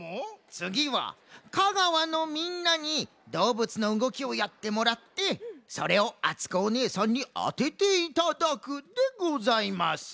つぎは香川のみんなにどうぶつのうごきをやってもらってそれをあつこおねえさんにあてていただくでございます。